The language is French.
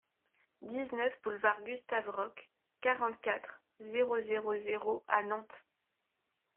dix-neuf boulevard Gustave Roch, quarante-quatre, zéro zéro zéro à Nantes